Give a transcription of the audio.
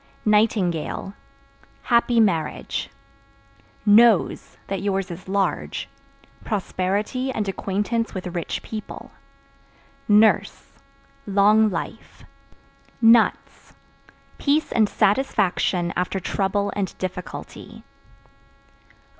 Nightingale Happy marriage. Nose (That yours is large) prosperity and acquaintance with rich people. Nurse Long life. Nuts Peace and satisfaction after trouble and difficulty.